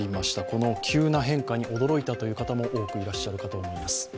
この急な変化に驚いたという方も多くいらっしゃると思います。